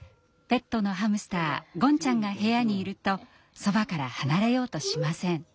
ペットのハムスターゴンちゃんが部屋にいるとそばから離れようとしません。